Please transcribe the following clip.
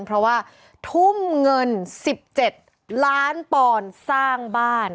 เพราะว่าทุ่มเงิน๑๗ล้านปอนด์สร้างบ้าน